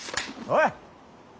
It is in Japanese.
おい。